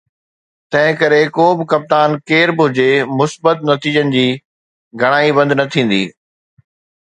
تنهن ڪري ڪو به ڪپتان ڪير به هجي، مثبت نتيجن جي گهڻائي بند نه ٿيندي